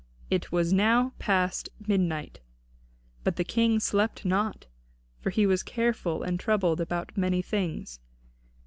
It was now past midnight. But the King slept not, for he was careful and troubled about many things.